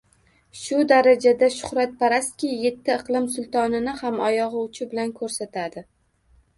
Shu darajada shuhratparastki, yetti iqlim sultonini ham oyogʼi uchi bilan koʼrsatadi.